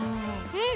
うん！